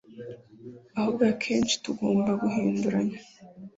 ahubwo akenshi tugomba guhinduranya